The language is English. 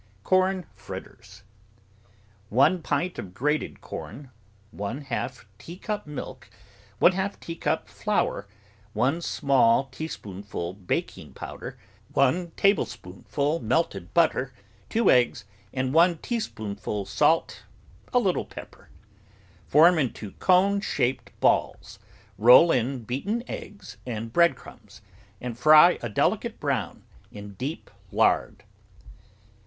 CORN FRITTERS One pint of grated corn, one half teacup milk, one half teacup flour, one small teaspoonful baking powder, one tablespoonful melted butter, two eggs, and one teaspoonful salt, a little pepper. Form into cone shaped balls, roll in beaten eggs and bread crumbs, and fry a delicate brown in deep lard.